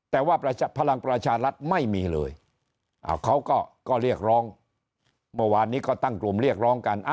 แต่ว่าพลังประชารัฐไม่มีเลยเขาก็เรียกร้องเมื่อวานนี้ก็ตั้งกลุ่มเรียกร้องกัน